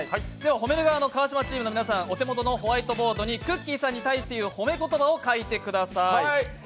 褒める側の川島チームの皆さん、お手元のホワイトボードに褒め言葉を書いてください。